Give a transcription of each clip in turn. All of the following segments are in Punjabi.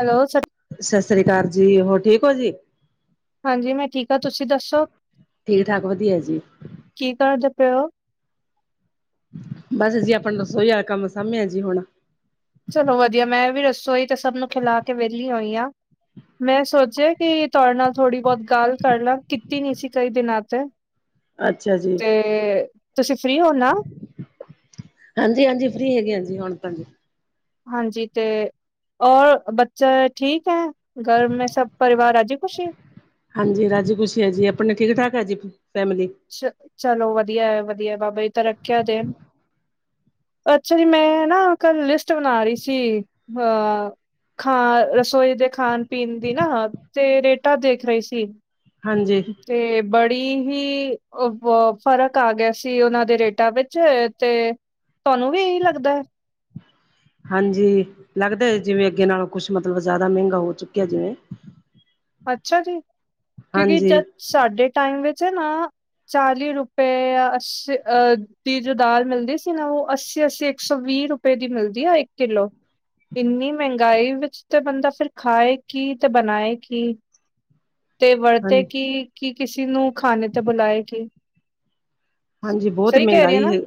ਹੈਲੋ ਸਤਿ। ਸਤਿ ਸ੍ਰੀ ਅਕਾਲ ਜੀ ਹੋਰ ਠੀਕ ਓ ਜੀ? ਹਾਂਜੀ ਮੈਂ ਠੀਕ ਆ ਤੁਸੀਂ ਦੱਸੋ? ਠੀਕ-ਠਾਕ ਵਧੀਆ ਜੀ। ਕੀ ਕਰਦੇ ਪਿਓ ਹੋ? ਬਸ ਅਸੀਂ ਆਪਣਾ ਦੱਸੋ ਐ ਕੰਮ ਸਮਿਆ ਜੀ ਹੁਣ। ਚਲੋ ਵਧੀਆ, ਮੈਂ ਵੀ ਰਸੋਈ ਤੇ ਸਭ ਨੂੰ ਖਿਲਾ ਕੇ ਵਿਹਲੀ ਹੋਈ ਹਾਂ। ਮੈਂ ਸੋਚਿਆ ਕਿ ਤੁਆਡੇ ਨਾਲ ਥੋੜੀ ਬੋਤ ਗੱਲ ਕਰ ਲਾਂ, ਕੀਤੀ ਨੀ ਸੀ ਕਈਂ ਦਿਨਾਂ ਤੇ। [inaudible] ਅੱਛਾ ਜੀ। ਏ ਤੁਸੀ ਫ੍ਰੀ ਹੋਨਾ? ਹਾਂਜੀ, ਹਾਂਜੀ ਫ੍ਰੀ ਹੈਗੀ ਆਂ ਹਾਂਜੀ ਹੂਣ ਤਾਂਜੀ। ਹਾਂਜੀ ਤੇ ਔਰ ਬੱਚਾ ਠੀਕ ਹੈ ਘਰ ਮੇਂ ਸਬ ਪਰਿਵਾਰ ਰਾਜੀ ਖੁਸ਼ੀ? ਹਾਂਜੀ ਰਾਜੀ ਖੁਸ਼ੀ ਹੈ ਜੀ, ਆਪਣੇ ਠੀਕ-ਠਾਕ ਹੈ ਜੀ ਫੈਮਿਲੀ? ਚ ਚਲੋ ਵਧੀਆ ਐ ਵਧੀਆ, ਬਾਬਾ ਜੀ ਤਰੱਕੀਆਂ ਦੇਨ। ਅੱਛਾ ਜੀ, ਮੈਂ ਨਾ ਕਲ ਲਿਸਟ ਬਨਾ ਰੀ ਸੀ ਹ ਖਾ ਰਸੋਈ ਦੇ ਖਾਨ-ਪੀਨ ਦੀ ਨਾ, ਤੇ ਰੇਟਾ ਦੇਖ ਰਹੀ ਸੀ। ਹਾਂਜੀ। ਤੇ ਬੜੀ ਹੀ ਉਹ ਓ ਫ਼ਰਕ ਆ ਗੇਆ ਸੀ ਓਨਾਂ ਦੇ ਰੇਟਾਂ ਵਿੱਚ ਤੇ ਤੁਆਨੂੰ ਵੀ ਏਈ ਲਗਦਾ। ਹਾਂਜੀ, ਲੱਗਦਾ ਏ ਜਿਵੇਂ ਅੱਗੇ ਨਾਲੋਂ ਕੁੱਛ ਮਤਲਬ ਜਾਦਾ ਮੈਂਗਾ ਹੋ ਚੁੱਕਿਆ ਜਿਵੇਂ। ਅੱਛਾ ਜੀ, ਕਿਉਂਕਿ ਹਾਂਜੀ ਜਦ ਸਾਡੇ ਟਾਈਮ ਵਿੱਚ ਨਾ, ਚਾਲੀ ਰੁਪਏ ਆ ਅੱਸੀ ਅ ਤੀ ਜੋ ਦਾਲ ਮਿਲਦੀ ਸੀ ਨਾ ਉਹ ਅੱਸੀ-ਅੱਸੀ ਇਕ ਸੌ ਵੀਹ ਰੁਪਏ ਦੀ ਮਿਲਦੀ ਆ ਇੱਕ ਕਿਲੋ। ਇੰਨੀ ਮਹਿੰਗਾਈ ਵਿੱਚ ਤੇ ਬੰਦਾ ਫੇਰ ਖਾਏ ਕੀ ਤੇ ਬਨਾਏ ਕੀ ਤੇ ਹਾਂ ਵਰਤੇ ਕੀ, ਕੀ ਕਿਸੀ ਨੂੰ ਖਾਨੇ ਤੇ ਬੁਲਾਏ ਕੀ। ਹਾਂਜੀ, ਬਹੁਤ ਸਹੀ ਕਹਿ ਮੈਹੰਗਾਈ ਹੈ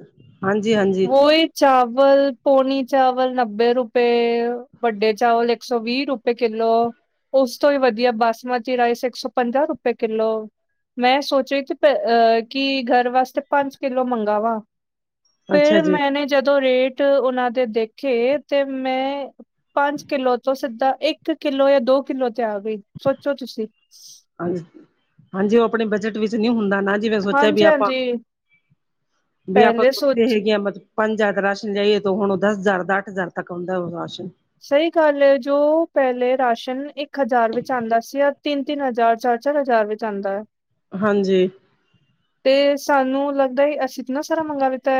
ਹਾਂਜੀ, ਹਾਂਜੀ। ਚਾਵਲ ਪੌਨੇ ਚਾਵਲ ਨੱਬੇ ਰੁਪਏ, ਵੱਡੇ ਚਾਵਲ ਇਕ ਸੌ ਵੀਹ ਰੁਪ ਰੁਪਏ ਕਿਲੋ, ਉਸ ਤੋਂ ਵੀ ਵਧੀਆ ਬਾਸਮਤੀ ਰਾਈਸ ਇਕ ਸੌ ਪੰਜਾਅ ਰੁਪਏ ਕਿੱਲੋ। ਮੈਂ ਸੋਚਿਆ ਤੇ ਅ ਕਿ ਘਰ ਵਾਸਤੇ ਪੰਜ ਕਿੱਲੋ ਮੰਗਾਵਾਂ। ਅੱਛਾ ਫਿਰ ਜੀ ਮੈਂਨੇ ਜਦੋਂ ਰੇਟ ਉਹਨਾਂ ਦੇ ਦੇਖੇ, ਤੇ ਮੈਂ ਪੰਜ ਕਿਲੋ ਤੋਂ ਸਿੱਧਾ ਇਕ ਕਿੱਲੋ ਯਾ ਦੋ ਕਿਲੋ ਤੇ ਆ ਗਈ, ਸੋਚੋ ਤੁਸੀ। ਹਾਂਜੀ, ਹਾਂਜੀ ਉਹ ਅਪਣੀ ਬਜਟ ਵਿੱਚ ਨੀ ਹੁੰਦਾ ਨਾ ਜਿਵੇਂ ਸੋਚਾਂ ਵੀ ਆਪਾਂ, ਹਾਂਜੀ-ਹਾਂਜੀ, ਵੀ ਆਪਾਂ ਪਹਿਲੇ ਸੋਚ ਸੋਚਦੇ ਹੈਗੇ ਆਂ ਮਤ ਪੰਜ ਹਜ਼ਾਰ ਕਾ ਰਾਸ਼ਨ ਲਿਆਈਏ, ਤੇ ਹੁਣ ਓ ਦੱਸ ਹਜ਼ਾਰ ਦਾ ਅੱਠ ਹਜ਼ਾਰ ਤੱਕ ਆਉਂਦਾ ਓ ਰਾਸ਼ਨ। ਸਈ ਗੱਲ ਐ ਜੋ ਪਹਿਲੇ ਰਾਸ਼ਨ ਇਕ ਹਜਾਰ ਵਿੱਚ ਆਂਦਾ ਸੀ, ਅਜ ਤਿੰਨ-ਤਿੰਨ ਹਜਾਰ, ਚਾਰ-ਚਾਰ ਹਜਾਰ ਵਿੱਚ ਚਾਂਦਾ। ਹਾਂਜੀ। ਤੇ ਸਾਨੂੰ ਲੱਗਦਾ ਅਸੀ ਇਤਨਾ ਸਾਰਾ ਮੰਗਾ ਲਿਤਾ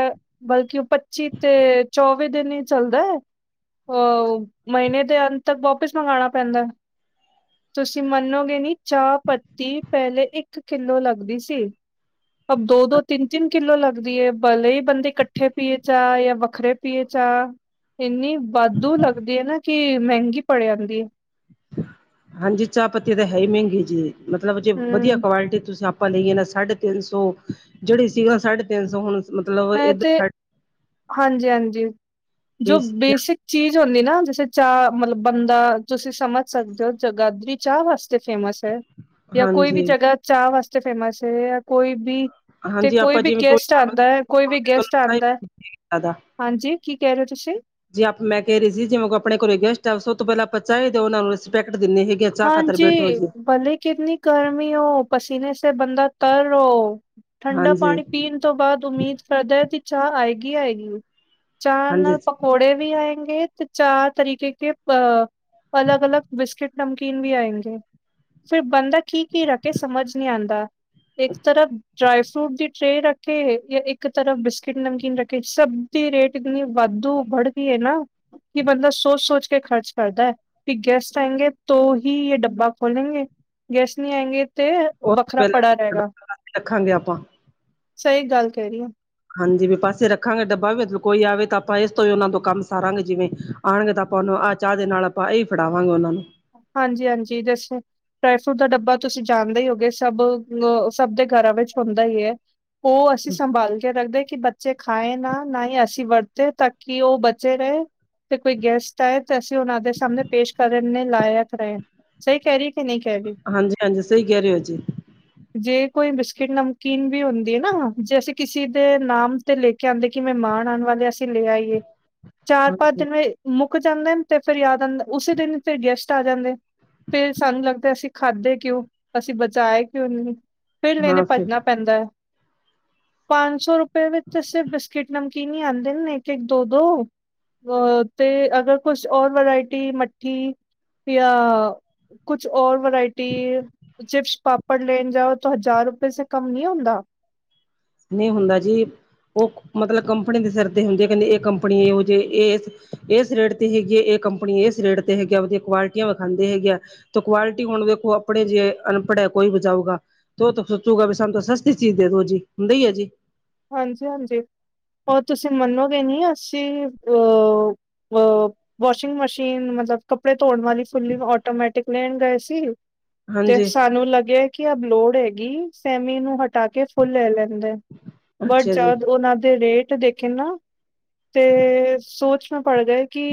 ਬਲਕਿ ਓ ਪੱਚੀ ਤੇ ਚੌਵੀ ਦਿਨ ਈ ਚੱਲਦਾ। ਹੋ ਮਹੀਨੇ ਦੇ ਅੰਤ ਤਕ ਵਾਪਿਸ ਮੰਗਾਣਾ ਪੈਂਦਾ। ਤੁਸੀ ਮੰਨੋਗੇ ਨੀ ਚਾਅ ਪੱਤੀ ਪਹਿਲੇ ਇੱਕ ਕਿੱਲੋ ਲਗਦੀ ਸੀ ਆਹ ਦੋ-ਦੋ, ਤਿੰਨ-ਤਿੰਨ ਕਿੱਲੋ ਲਗਦੀ ਏ, ਭਲੇ ਈ ਬੰਦੇ ਕੱਠੇ ਪੀਏ ਚਾਅ, ਯਾ ਵੱਖਰੇ ਪੀਏ ਚਾਅ, ਇੰਨੀ ਵਾਦੂ ਲੱਗਦੀ ਏ ਨਾ ਕਿ ਮਹਿੰਗੀ ਪੜ ਜਾਂਦੀ। ਹਾਂਜੀ ਚਾਅ ਪੱਤੀ ਤੇ ਹੈਈ ਮਹਿੰਗੀ ਜੀ ਮਤਲਬ ਜੇ ਵਧੀਆ ਹੂੰ ਕੁਆਲਿਟੀ ਤੁਸੀ ਅਪ ਆਪਾਂ ਲਈਏ ਨਾ ਸਾਡੇ ਤਿੰਨ ਸੌ, ਜਿਹੜੀ ਸੀਗਾ ਸਾਡੇ ਤਿੰਨ ਸੌ ਹੁਣ ਮਤਲਬ ਮੈਂ ਤੇ, ਇੱਧਰ ਹਾਂਜੀ-ਹਾਂਜੀ, ਜੋ ਬੇਸਿਕ ਚੀਜ ਹੁੰਦੀ ਨਾ, ਜੈਸੇ ਚਾਅ ਮਤਲਬ ਬੰਦਾ ਤੁਸੀ ਸਮਝ ਸਕਦੇ ਓ, ਜਗਾਦਰੀ ਚਾਅ ਵਾਸਤੇ ਫੇਮਸ ਐ। ਯਾ ਕੋਈ ਵੀ ਹਾਂਜੀ ਜਗਾ ਚਾ ਵਾਸਤੇ ਫੇਮਸ ਐ, ਯਾ ਕੋਈ ਬੀ 'ਤੇ ਹਾਂਜੀ ਕੋਈ ਆਪਾਂ ਵੀ ਜਿਵੇਂ ਗੈਸਟ ਆਂਦੈ, ਕੋਈ ਵੀ ਗੈਸਟ ਆਂਦੈ। ਜ਼ਿਆਦਾ ਹਾਂਜੀ ਕੀ ਕੈ ਰੇ ਓ ਤੁਸੀਂ? ਜੇ ਆਪ ਮੈਂ ਕੈ ਰੀ ਸੀ ਜਿਵੇਂ ਕੋ ਆਪਣੇ ਘਰੇ ਗੈਸਟ ਆਵ ਸੋ ਤੋਂ ਪੈਲਾਂ ਆਪਾਂ ਚਾਏ ਦੋ ਓਨਾਂ ਨੂੰ ਰਿਸਪੈਕਟ ਦੇਨੇ ਹੈਗੇ ਆ। ਚਾਹ ਖਾਤਰ ਬੈਠੋ ਹਾਂਜੀ ਜੀ ਭਲੇ ਕਿਤਨੀ ਗਰਮੀ ਓ, ਪਸੀਨੇ ਸੇ ਬੰਦਾ ਤਰ ਓ। ਠੰਡਾ ਹਾਂਜੀ ਪਾਣੀ ਪੀਨ ਤੋ ਬਾਦ ਉਮੀਦ ਕਰਦੈ ਕਿ ਚਾ ਆਏਗੀ-ਆਏਗੀ। ਚਾ ਨਾਲ ਹਾਂਜੀ ਪ ਕੌੜੇ ਵੀ ਆਏਂਗੇ 'ਤੇ ਚਾਰ ਤਰੀਕੇ ਕੇ ਅ ਅਲੱਗ-ਅਲੱਗ ਬਿਸਕਿਟ ਨਮਕੀਨ ਵੀ ਆਏਂਗੇ, ਫਿਰ ਬੰਦਾ ਕੀ-ਕੀ ਰੱਖੇ ਸਮਝ ਨੀ ਆਂਦਾ। ਇੱਕ ਤਰਫ਼ ਡਰਾਏ ਫਰੂਟ ਦੀ ਟਰੇਅ ਰੱਖੇ ਜਾਂ ਇੱਕ ਤਰਫ਼ ਬਿਸਕਿਟ, ਨਮਕੀਨ ਰੱਖੇ ਸਭ ਦੀ ਰੇਟ ਇਤਨੀ ਵਾਧੂ ਬੜਦੀ ਏ ਨਾ ਕਿ ਬੰਦਾ ਸੋਚ-ਸੋਚ ਕੇ ਖ਼ਰਚ ਕਰਦੈਂ ਵੀ ਗੈਸਟ ਆਏਂਗੇ ਤੋਂ ਹੀ ਯੇ ਡੱਬਾ ਖੋਲੇਗੇ ਗੈਸਟ ਨੀ ਆਏਂਗੇ 'ਤੇ ਉਸ ਵੱਖਰਾ ਪੜਾ ਪਹਿਲਾਂ ਰਏਗਾ, ਰੱਖਾਂਗੇ ਆਪਾਂ ਸਈ ਗੱਲ ਕੈਣੀ ਆ। ਹਾਂਜੀ ਵੀ ਪਾਸੇ ਰੱਖਾਂਗੇ ਡੱਬਾ ਵੀ ਅੱਜ ਕੋਈ ਆਵੇ ਤਾਂ ਆਪਾਂ ਏਸ ਤੋਂ ਈ ਉਨਾਂ ਤੋਂ ਕੰਮ ਸਾਰਾਂਗੇ ਜਿਵੇਂ ਆਣਗੇ ਤਾਂ ਆਪਾਂ ਉਨੂੰ ਆ ਚਾ ਦੇ ਨਾਲ ਆਪਾਂ ਏਈ ਫੜਾਵਾਂਗੇ ਉਨਾਂ ਨੂੰ। ਹਾਂਜੀ-ਹਾਂਜੀ ਦੱਸ। ਡਰਾਈ ਫਰੂਟ ਦਾ ਡੱਬਾ ਤੁਸੀਂ ਜਾਣਦੇ ਈ ਹੋਗੇ ਸਭ ਅ ਸਭ ਦੇ ਘਰਾਂ ਵਿੱਚ ਹੁੰਦਾ ਈ ਐ। ਓ ਅਸੀਂ ਸੰਭਾਲ ਕੇ ਰੱਖਦੇ ਕਿ ਬੱ ਚੇ ਖਾਏ ਨਾ ਨਾਈ ਅਸੀਂ ਵਰਤੇ ਤਾਂ ਕਿ ਓ ਬਚੇ ਰਏ 'ਤੇ ਕੋਈ ਗੈਸਟ ਤਾਏ ਤਾਂ ਅਸੀਂ ਉਨਾਂ ਦੇ ਸਾਹਮਣੇ ਪੇਸ਼ ਕਰਨ ਨੇ ਲਾਇਕ ਰਏ ਸਈ ਕੈ ਰੀ ਹਾਂਜੀ-ਹਾਂਜੀ ਸਈ ਕੈ ਰੇ ਓ ਜੀ। ਜੇ ਕੋਈ ਬਿਸਕਿਟ, ਨਮਕੀਨ ਵੀ ਹੁੰਦੀ ਏ ਨਾ ਜੇ ਅਸੀਂ ਕਿਸੀ ਦੇ ਨਾਮ 'ਤੇ ਲੇ ਕੇ ਆਂਦੇ ਕੀ ਮਹਿਮਾਨ ਆਣ ਵਾਲੇ ਅਸੀਂ ਲੈ ਆਈਏ। ਚਾਰ-ਪੰਜ ਹਾਂਜੀ ਦਿਨ ਮੇ ਮੁੱਕ ਜਾਂਦੇ ਨੇ 'ਤੇ ਫੇਰ ਯਾਦ ਆਂਦਾ ਉਸੀ ਦਿਨ ਫਿਰ ਗੈਸਟ ਆ ਜਾਂਦੇ ਐ ਫੇਰ ਸਾਨੂੰ ਲੱਗਦਾ ਅਸੀਂ ਖਾਧੇ ਕਿਉਂ, ਅਸੀਂ ਬਚਾਏ ਕਿਉਂ ਨੀ। ਫੇਰ ਲੈਣੇ ਹਾਂ ਫਿਰ ਭੱਜਣਾ ਪੈਂਦਾ ਐ, ਪੰਜ ਸੌ ਰੁਪਏ ਵਿੱਚ ਸਿਰ ਬਿਸਕਿਟ, ਨਮ ਕੀਨ ਈ ਆਂਦੇ ਨੇ ਇੱਕ-ਇੱਕ, ਦੋ-ਦੋ ਅ 'ਤੇ ਅਗਰ ਕੁਸ਼ ਔਰ ਵਰਾਇਟੀ ਮੱਠੀ ਯਾ ਕੁਛ ਔਰ ਵਰਾਇਟੀ ਚਿਪਸ, ਪਾ ਪੜ ਲੈਣ ਜਾਓ ਤੋਂ ਹਜ਼ਾਰ ਰੁਪਏ ਸੇ ਕਮ ਨੀ ਹੁੰਦਾ। ਨਈ ਹੁੰਦਾ ਜੀ, ਓ ਮਤਲਬ ਕੰਪਨੀ ਦੇ ਸਿਰ 'ਤੇ ਹੁੰਦੀ ਆ ਕੈਂਦੀ ਏ ਕੰਪਨੀ ਏਹੋ ਜੀ ਏਸ ਏਸ ਰੇਟ 'ਤੇ ਹੈਗੀ ਆ ਏ ਕੰਪਨੀ, ਏਸ ਰੇਟ 'ਤੇ ਹੈਗੀ ਆ ਕੇ ਆਪਦੀਆਂ ਕੁਆਲਿਟੀਆਂ ਵਖਾਂਦੇ ਹੈਗੇ ਆ ਤੋਂ ਕੁਆਲਿਟੀ ਹੁਣ ਵੇਖੋ ਆਪਣੇ ਜੇ ਅਨਪੜ ਐ ਕੋਈ ਬਚਾਊਗਾ। ਤੋਂ ਤਾਂ ਸੋਚੂਗਾ ਵੀ ਸਾਨੂੰ ਤਾਂ ਸਸਤੀ ਚੀਜ਼ ਦੇ ਦੋ ਜੀ ਹੁੰਦਾ ਈ ਐ ਜੀ। ਹਾਂਜੀ-ਹਾਂਜੀ ਔਰ ਤੁਸੀਂ ਮੰਨੋਗੇ ਨੀ ਅਸੀਂ ਅ ਅ ਵੋਸ਼ਿੰਗ ਮਸ਼ੀਨ ਮਤਲਬ ਕੱਪੜੇ ਧੋਣ ਵਾਲੀ ਫੁੱਲੀ ਓਟੋਮੈਟਿਕ ਲੈਣ ਗਏ ਸੀ 'ਤੇ ਹਾਂਜੀ ਸਾਨੂੰ ਲੱਗਿਆਂ ਕਿ ਅਬ ਲੋੜ ਹੈਗੀ ਸੇਮੀ ਨੂੰ ਹਟਾ ਕੇ ਫੁੱਲ ਲੈ ਲੈਂਦੇ। ਬਟ ਅੱਛਾ ਜੀ ਜਦ ਉਨਾਂ ਦੇ ਰੇਟ ਦੇ ਕੇ ਨਾ 'ਤੇ ਸੋਚ ਮੇਂ ਪੜ ਗਏ ਕਿ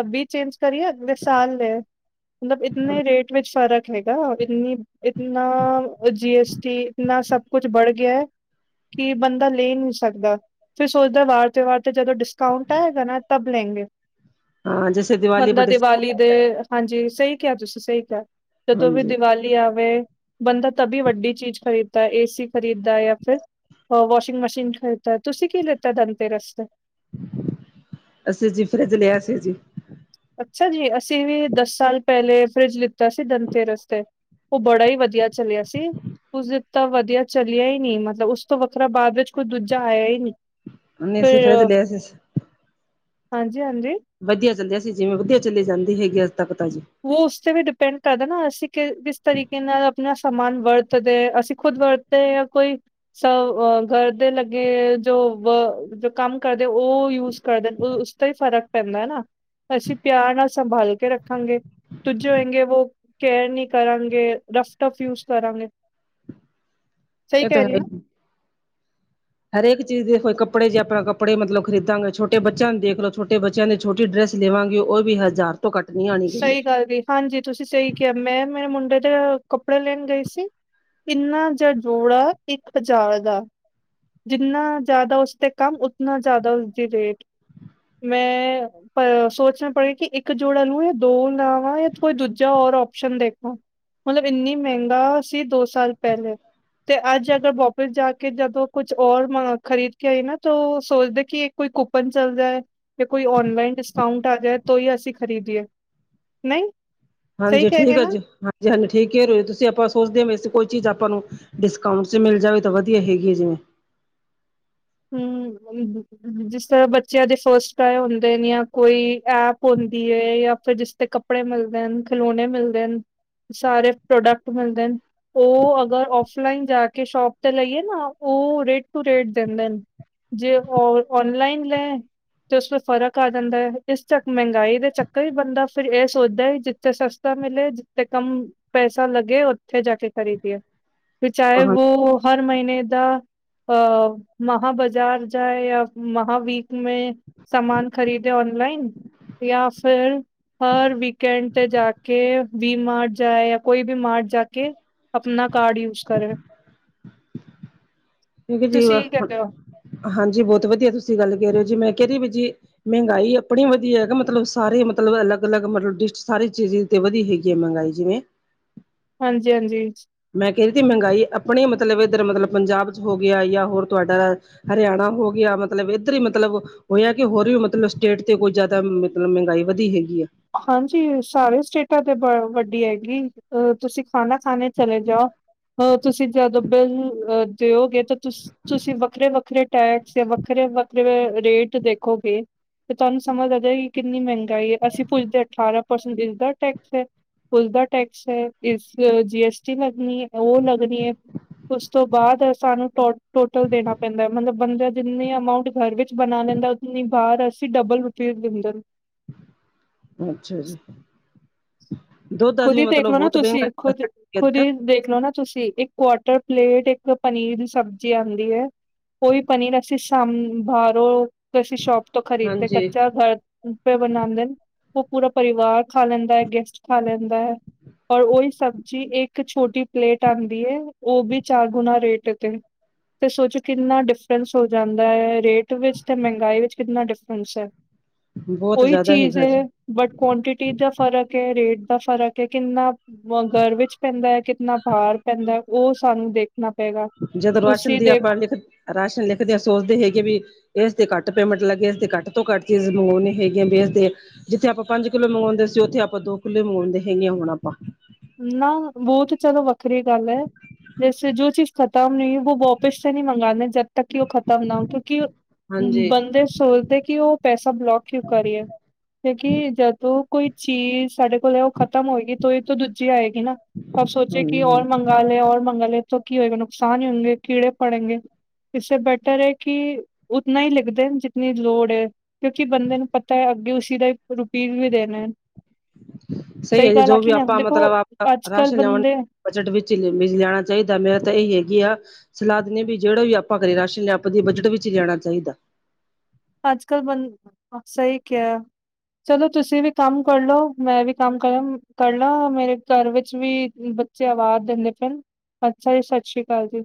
ਅਭੀ ਚੇਂਜ ਕਰੀਏ ਅਗਲੇ ਸਾਲ ਲੈ ਮਤਲਬ ਇਤਨੇ ਰੇਟ ਵਿੱਚ ਫ਼ਰਕ ਹੈਗਾ ਇਤਨੀ ਇਤਨਾ ਜੀ ਐਸ ਟੀ ਇਤਨਾ ਸਭ ਕੁਛ ਬੜ ਗਿਆ ਐ ਕੀ ਬੰਦਾ ਲੈ ਨੀ ਸਕਦਾ। ਫਿਰ ਸੋਚਦਾ ਵਾਰ 'ਤੇ ਵਾਰ 'ਤੇ ਜਦੋਂ ਡਿਸਕਾਊਟ ਆ ਹੈਗਾ ਨਾ ਤਬ ਲੈਂਗੇ। ਹਾਂ ਜੈਸੇ ਦੀਵਾਲੀ ਪਰ ਬੰਦਾ ਦੀਵਾਲੀ ਦੇ, ਡਿਸਕਾਊਂਟ ਹਾਂਜੀ ਸਈ ਕਿਆ ਤੁਸੀਂ ਸਈ ਕਿਆ। ਜਦੋਂ ਵੀ ਹਾਂਜੀ ਦੀਵਾਲੀ ਆਵੇ, ਬੰਦਾ ਤਬ ਈ ਵੱਡੀ ਚੀਜ਼ ਖਰੀਦ ਏਸੀ ਖਰੀਦਦਾ ਜਾਂ ਫਿਰ ਵਾਸ਼ਿੰਗ ਮਸ਼ੀਨ ਖਰੀਦਦਾ, ਤੁਸੀਂ ਕੀ ਲੀਤਾ ਦੰਨ ਤੇਰਸ ਤੇ। ਅਸੀਂ ਜੀ ਫਰਿਜ ਲ਼ਿਆ ਸੀ ਜੀ। ਅੱਛਾ ਜੀ ਅਸੀਂ ਵੀ ਦਸ ਸਾਲ ਪਹਿਲੇ ਫਰਿਜ ਲਿੱਤਾ ਸੀ ਦਨ ਤੇਰਸ ਤੇ। ਓ ਬੜਾਂ ਈ ਵਧੀਆਂ ਚੱਲਿਆ ਸੀ। ਉਸਦੇ ਤਾਂ ਵਧੀਆ ਚਲਿਆ ਈ ਨੀ, ਮਤਲਬ ਉਸ ਤੋਂ ਵੱਖਰਾ ਬਾਅਦ ਵਿੱਚ ਕੋਈ ਦੂਜਾ ਆਇਆ ਈ ਨੀਂ। ਨਈ ਅਸੀ ਫਰਿਜ਼ ਲ਼ਿਆ ਸੀ। ਹਾਂਜੀ- ਹਾਂਜੀ। ਵਧੀਆ ਚੱਲਦੀ ਅਸੀਂ ਜਿਵੇਂ ਵਧੀਆ ਚਲੀ ਜਾਂਦੀ ਹੈਗੀ ਅੱਜ ਤੱਕ ਜੀ। ਵੋ ਉਸ ਤੇ ਵੀ ਡਿਪੈਂਡ ਕਰਦਾ ਨਾ ਅਸੀਂ ਕਿ ਕਿਸ ਤਰੀਕੇ ਨਾਲ ਆਪਣਾਂ ਸਮਾਂਨ ਵਰਤਦੇ, ਅਸੀਂ ਖੁਦ ਵਰਤੇ ਯਾ ਕੋਈ ਸ ਗਰ ਦੇ ਲੱਗੇ ਜੋ ਵ ਜੋ ਕੰਮ ਕਰਦੇ ਉਹ ਯੂਜ ਕਰਦੇ ਨੇ, ਉਸਦਾ ਵੀ ਫ਼ਰਕ ਪੈਂਦਾ ਐ ਨਾ ਅਸੀਂ ਪਿਆਰ ਨਾਲ ਸੰਭਾਲ ਕੇ ਰੱਖਾਂਗੇ। ਦੂਜੇ ਹੋਏਗੇ ਵੋ ਕੇਅਰ ਨੀਂ ਕਰਨਗੇ, ਰਫ -ਟਫ ਯੂਜ ਕਰਾਂਗੇ ਸਹੀ ਇ ਤਾਂ ਕਹਿ ਰਹੀ ਹੈ ਨਾ? ਈ। ਹਰੇਕ ਚੀਜ਼ ਦੇਖੋਂ, ਕੱਪੜੇ ਜੇ ਆਪਾਂ ਕੱਪੜੇ ਮਤਲਬ ਖਰੀਦਾਂਗੇ ਛੋਟੇ ਬੱਚਿਆ ਨੂੰ ਦੇਖ ਲਓ ਛੋਟੇ ਬ -ਚਿਆ ਦੀ ਛੋਟੀ ਡ੍ਰੈਸ ਲੇਵਾਂਗੇ ਉਹ ਵੀ ਹਜ਼ਾਰ ਤੋਂ ਘੱਟ ਨੀ ਆਣੀ ਕਹਿੰਦੇ ਸਹੀ ਗੱਲ ਜੀ ਹਾਂਜੀ, ਤੁਸੀਂ ਸਈ ਕਿਆ ਮੈਂ-ਮੈਂ ਮੁੰਡੇ ਦੇ ਕੱਪੜੇ ਲੈਣ ਗਏ ਸੀ ਇੰਨਾ ਜਾ ਜੋੜਾ ਇੱਕ ਹਜਾਰ ਦਾ। ਜਿੰਨਾ ਜ਼ਿਆਦਾ ਉਸ ਤੇ ਕੰਮ ਉਤਨਾ ਜ਼ਿਆਦਾ ਉਸਦੀ ਰੇਟ, ਮੈਂ ਪਰ ਸੋਚਣਾ ਪੜੇ ਕਿ ਇੱਕ ਜੋੜਾ ਲੂ ਯਾ ਦੋ ਲਵਾਂ, ਯਾ ਕੋਈ ਦੂਜਾ ਔਰ ਓਪਸ਼ਨ ਦੇਖਾਂ। ਮਤਲਬ ਇੰਨੀ ਮਹਿੰਗਾ ਸੀ ਦੋ ਸਾਲ ਪਹਿਲੇ, ਤੇ ਅੱਜ ਅਗਰ ਵਾਪਿਸ ਜਾ ਕੇ ਜਦੋਂ ਕੁਛ ਔਰ ਮਗ ਖਰੀਦ ਕੇ ਨਾ ਤੋ ਓ ਸੋਚਦੇ ਕਿ ਏ ਕੋਈ ਕੂਪਨ ਚਲਦਾ ਏ। ਕਿ ਕੋਈ ਔਨਲਾਈਨ ਡਿਸਕਾਊਂਟ ਆ ਜਾਏ ਤੋ ਈ ਅਸੀਂ ਖ਼ਰੀਦੀਏ, ਨਈ। ਹਾਂਜੀ, ਠੀਕ ਐ ਜੀ, ਹਾਂਜੀ- ਹਾਂਜੀ ਠੀਕ ਕਹਿ ਰੇ ਤੁਸੀਂ ਆਪਾਂ ਸੋਚਦੇ ਵੈਸੇ ਕੋਈ ਚੀਜ਼ ਆਪਾਂ ਨੂੰ ਡਿਸਕਾਊਂਟ ਚ ਮਿਲ ਜਾਵੇ ਤਾਂ ਵਧੀਆ ਹੈਗੀ ਏ ਜਿਵੇਂ ਹੂੰ, ਉਹੀ [unintelligible] ਜਿਸ ਤਰ੍ਹਾਂ ਬੱਚਿਆ ਦੇ ਫਸਟ ਆਏ ਹੁੰਦੇ ਨੇ ਯਾ ਕੋਈ ਐਪ ਹੁੰਦੀ ਏ, ਯਾ ਫਿਰ ਜਿਸ ਤੇ ਕ ਕੱਪੜੇ ਮਿਲ਼ਦੇ ਹਨ, ਖਿਲੋਣੇ ਮਿਲ਼ਦੇ ਹਨ ਸਾਰੇ ਪ੍ਰੋਡਕਟ ਮਿਲਦੇ ਉਹ ਅਗਰ ਔਫਲਾਈਨ ਜਾ ਕੇ ਸ਼ੋਪ ਤੇ ਲਈਏ ਨਾ ਓ ਰੇਟ ਟੂ ਰੇਟ ਦਿੰਦੇ ਨੇ ਜੇ ਔਨ ਔਨਲਾਈਨ ਲੇ ਤੇ ਉਸ ਵਿੱਚ ਫ਼ਰਕ ਆ ਜਾਂਦਾ ਏ, ਇਸ ਚੱਕ ਮਹਿੰਗਾਈ ਦੇ ਚੱਕਰ ਚ ਬੰਦਾ ਫਿਰ ਇਹ ਸੋਚਦਾ ਏ ਜ ਫ਼ੇਰ ਸਸਤਾ ਮਿਲ਼ੇ, ਜਿੱਥੇ ਕਮ ਪੈਸਾਂ ਲੱਗੇਂ ਉੱਥੇ ਜਾਂ ਕੇ ਖ਼ਰੀਦੀਏ। ਫਿਰ ਚਾਹੇਂ ਹਾਂ ਵੋ ਹਰ ਮਹੀਨੇਂ ਦਾ ਅ ਮਹਾਂ ਬਜ਼ਾਰ ਜਾਏਂ, ਯਾ ਮਹਾ ਵੀਕ ਮੇ ਸਮਾਂਨ ਖ਼ਰੀਦੇ ਔਨਲਾਈਨ ਯਾ ਫਿਰ ਹਰ ਵੀਕ ਐਂਡ ਤੇ ਜਾ ਕੇ ਵੀ ਮਾਰਟ ਜਾਏਂ ਯਾ ਕੋਈ ਵੀ ਮਾਰਟ ਜਾਂ ਕੇ ਆਪਣਾਂ ਕਾਰਡ ਯੂਜ ਕਰੇ। ਕਿਉਂਕਿ ਜੀਵਾ, ਹਾਂਜੀ ਬਹੁਤ ਵਧੀਆਂ ਤੁਸੀਂ ਗੱਲ਼ ਕਹਿ ਰੇ ਔ ਜੀ ਮੈਂ ਕਹਿ ਰੀ ਵੀ ਜੀ ਮਹਿੰਗਾਈ ਆਪਣੀ ਵਧੀ ਹੈ, ਮਤਲਬ ਸਾਰੇ ਮਤਲਬ ਅਲੱਗ-ਅਲੱਗ ਮਤਲਬ ਡਿਸ਼ ਸਾਰੀ ਚੀਜ਼ ਤੇ ਵਧੀ ਹੈਗੀ ਐਂ, ਮਹਿੰਗਾਈ ਜਿਵੇਂ ਹਾਂਜੀ- ਹਾਂਜੀ। ਮੈਂ ਕਹਿ ਰਹੀ ਥੀ, ਮਹਿੰਗਾਈ ਆਪਣੇ ਮਤਲਬ ਇੱਧਰ ਮਤਲਬ ਪੰਜਾਬ ਚ ਹੋ ਗਿਆ ਯਾਂ ਹੋਰ ਤੁਹਾਡਾ ਹਰਿਆਣਾ ਹੋ ਗਿਆ, ਮਤਲਬ ਇੱਧਰ ਈ ਮਤਲਬ ਹੋਇਆ ਕਿ, ਹੋਰ ਵੀ ਮਤਲਬ ਸਟੇਟ ਤੇ ਕੋਈ ਜ਼ਿਆਦਾ ਮਤਲਬ ਮਹਿੰਗਾਈ ਵਧੀ ਹੇਗੀ ਆ। ਹਾਂਜੀ, ਸਾਰੇ ਸਟੇਟਾ ਤੇ ਬ ਵੱਡੀ ਹੈਗੀ, ਅ ਤੁਸੀਂ ਖਾਣਾ ਖਾਣੇ ਚਲੇ ਜਾਓ ਆ, ਤੁਸੀਂ ਜਦੋਂ ਬਿਲ ਅ ਦਿਓਗੇ ਤੇ ਤੁਸ ਤੁਸੀਂ ਵੱਖਰੇ-ਵੱਖਰੇ ਟੈਕਸ, ਯਾ ਵੱਖਰੇ-ਵੱਖਰੇ ਰੇਟ ਦੇਖੋਗੇ। ਫਿਰ ਤੁਹਾਨੂੰ ਸਮਝ ਆ ਜਾਏਗੀ ਕਿੰਨੀ ਮਹਿੰਗਾਈ ਏ, ਅਸੀਂ ਪੁੱਛਦੇ ਅਠਾਰਾਂ ਪਰਸੈਂਟ ਇਸਦਾ ਟੈਕਸ ਏ, ਉਸਦਾ ਟੈਕਸ ਏ, ਇਸ ਜੀ ਐਸ ਟੀ ਲੱਗਣੀ ਏ, ਉਹ ਲੱਗਣੀ ਏ, ਉਸ ਤੋਂ ਬਾਅਦ ਸਾਨੂੰ ਟੋ, ਟੋਟਲ ਦੇਣਾ ਪੈਂਦਾ ਮਤਲਬ ਬੰਦਾ ਜਿੰਨੀ ਅਮਾੰਊਂਟ ਘਰ ਵਿੱਚ ਬਣਾ ਲੇਂਦਾ, ਉਤਨੀ ਬਾਹਰ ਅਸੀਂ ਡਬਲ ਰੁਟੀ ਦਿੰਦੇ। ਅੱਛਾ ਜੀ। ਦੁੱਧ ਦਾ ਖੁਦ ਵੀ ਈ ਮਤਲਬ ਦੇਖਲੋ ਨਾ ਬਹੁਤ ਤੁਸੀਂ, ਖੁਦ, ਖੁਦ ਮਹਿੰਗਾ ਈ ਦੇਖਲੋ ਨਾ ਤੁਸੀ, ਇੱਕ ਕੁਆਟਰ ਪਲੇਟ, ਇੱਕ ਪਨੀਰ ਦੀ ਸਬਜ਼ੀ ਆਂਦੀ ਐ। ਓਈ ਪਨੀਰ ਅਸੀਂ ਸ਼ਾਮ, ਬਾਹਰੋ, ਅਸੀਂ ਸ਼ੋਪ ਤੋਂ ਖਰੀਦਦੇ ਹਾਂਜੀ ਕੱਚਾ ਘਰ ਗਪੇ ਬਨਾਂਦੇ, ਉਹ ਪੂਰਾ ਪਰਿਵਾਰ ਖਾ ਲੈਂਦਾ ਏ, ਗੈਸਟ ਖਾ ਲੈਂਦਾ ਏ। ਔਰ ਉਹੀ ਸਬਜ਼ੀ ਇੱਕ ਛੋਟੀ ਪਲੇਟ ਆਂਦੀ ਏ, ਉਹ ਵੀ ਚਾਰ ਗੁਣਾ ਰੇਟ ਤੇ। ਤੇ ਸੋਚੋ ਕਿੰਨਾ ਡਿਫਰੈਂਸ ਹੋ ਜਾਂਦਾ ਏ, ਰੇਟ ਵਿੱਚ ਤੇ ਮਹਿੰਗਾਈ ਵਿੱਚ ਕਿੰਨਾ ਡਿਫਰੈਂਸ ਐ, ਬਹੁਤ ਓਈ ਜ਼ਿਆਦਾ ਚੀਜ਼ ਹੈਗਾ ਜੀ ਏ ਬਟ ਕੁਆਂਟਿਟੀ ਦਾ ਫ਼ਰਕ ਏ, ਰੇਟ ਦਾ ਫ਼ਰਕ ਏ, ਕਿੰਨਾ ਵੋ ਘਰ ਵਿੱਚ ਪੈਂਦਾ ਏ, ਕਿਤਨਾ ਬ੍ਹਾਰ ਪੈਂਦਾ ਓ ਸਾਨੂੰ ਦੇਖਨਾ ਪੇਗਾ। ਜਦੋਂ ਰਾਸ਼ਨ ਦੀ ਆਪਾਂ ਲਿਖ, ਰਾਸ਼ਨ ਲਿਖਦੇ ਆਂ ਸੋਚਦੇ ਹੈਗੇ ਵੀ ਏਸ ਦੇ ਘੱਟ ਪੇਮੈਂਟ ਲੱਗੇ, ਏਸਦੇ ਘੱਟ ਤੋਂ ਘੱਟ ਚੀਜ਼ ਮੰਗਵਾਉਨੀ ਹੈਗੀਆਂ ਵੀ ਏਸਦੇ ਜਿੱਥੇ ਆਪਾ ਪੰਜ ਕਿੱਲੋ ਮੰਗਵਾਉਂਦੇ ਸੀ, ਉੱਥੇ ਆਪਾਂ ਦੋ ਕਿੱਲੋ ਈ ਮੰਗਵਾਓਂਦੇ ਹੇਂਗੇ ਆ, ਹੁਣ ਆਪਾਂ। ਨਾ ਬੋਹਤ ਚਲੋ ਵੱਖਰੀ ਗੱਲ ਐ, [inaudible] ਖਤਮ ਨਹੀਂ ਵੋਪਿਸ਼ ਤੇ ਨਹੀਂ ਮੰਗਾਨਦੇ, ਜਦ ਤੱਕ ਕਿ ਓਹ ਖਤਮ ਨਾ ਓ, ਕਿਉਂਕਿ ਹਾਂਜੀ ਬੰਦੇ ਸੋਚਦੇ ਕਿ, ਓਹ ਪੈਸਾ ਬਲੋਕ ਕਿਉਂ ਕਰੀਏ। ਕਿਉਂਕਿ, ਜਦੋਂ ਕੋਈ ਚੀਜ਼ ਸਾਡੇ ਕੋਲ ਓਹ ਖਤਮ ਹੋਏਗੀ, ਤੋ ਈ ਤੋ ਦੂ ਜਾਏਗੀ ਨਾ, ਤਾਂ ਸੋਚੇ ਕਿ [inaudible] ਹਾਂਜੀ [inaudible] ਲਿਖਦੇਨ ਜਿਤਨੀ ਲੋੜ ਏ। ਕਿਉਂਕਿ ਬੰਦੇ ਨੂੰ ਪਤਾ ਐ, ਅੱਗੇ ਉਸੀ ਦਾ ਰੁਪੀਜ ਵੀ ਦੇਨਾ ਐ। ਸਹੀ ਐ ਜੀ ਸੋ ਵੀ ਆਪਾ, ਦੇਖੋ ਮਤਲਬ ਆਪਾ ਅੱਜ-ਕੱਲ੍ਹ ਰਾਸ਼ਨ ਲਿਆਉਨ ਬੰਦੇ ਬਜਟ ਵਿੱਚ ਲੈਣਾ ਚਾਹੀਦਾ, ਮੇਰਾ ਤਾਂ ਏਹੀ ਹੈਗੀ ਆ। ਸਲਾਹ ਦਿੰਦੇ ਆ ਵੀ ਜੇਹੜਾ ਵੀ ਆਪਾਂ ਘਰੇ ਰਾਸ਼ਨ ਲਿਆ, ਆਪ ਦੀ ਬਜਟ ਵਿੱਚ ਈ ਜਾਣਾ ਚਾਹੀਦਾ। ਅੱਜ-ਕੱਲ ਬੰਦ, ਸਹੀ ਕਿਹਾ। ਚਲੋ ਤੁਸੀਂ ਵੀ ਕੰਮ ਕਰਲੋ, ਮੈਂ ਵੀ ਕੰਮ ਕਰਾਂ, ਕਰਲਾਂ, ਮੇਰੇ ਘਰ ਵਿੱਚ ਵੀ ਆਵਾਜ਼ ਦੇੰਦੇ ਪਏਨ, ਅੱਛਾ ਜੀ, ਸਤਿ ਸ਼੍ਰੀ ਅਕਾਲ ਜੀ।